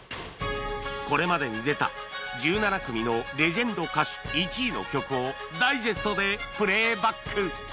これまでに出た１７組のレジェンド歌手１位の曲をダイジェストでプレーバック